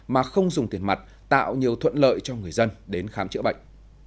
mà không dùng tiền mặt tạo nhiều thuận lợi cho người dân đến khám chữa bệnh